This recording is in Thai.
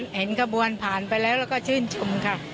เห็นขบวนผ่านไปแล้วแล้วก็ชื่นชมค่ะ